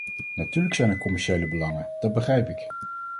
Natuurlijk zijn er commerciële belangen, dat begrijp ik.